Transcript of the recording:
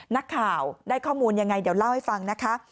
นักข่าวได้ข้อมูลยังไงเดี๋ยวเล่าให้ฟังนะคะ